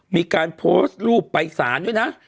มีการโพสต์รูปไปสารด้วยนะ